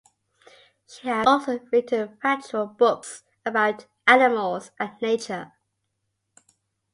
She has also written factual books about animals and nature.